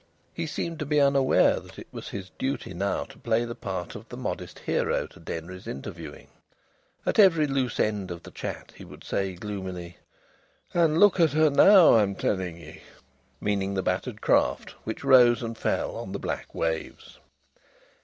He seemed to be unaware that it was his duty now to play the part of the modest hero to Denry's interviewing. At every loose end of the chat he would say gloomily: "And look at her now, I'm telling ye!" Meaning the battered craft, which rose and fell on the black waves.